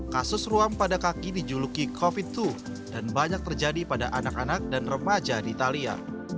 kasus ruam pada kaki dijuluki covid dua dan banyak terjadi pada anak anak dan remaja di italia